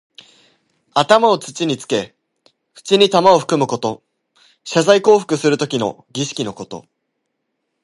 頭を土につけ、口に玉をふくむこと。謝罪降伏するときの儀式のこと。